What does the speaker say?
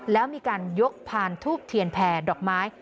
แล้วมีการยกพานทูบเทียนแผ่ดอกไม้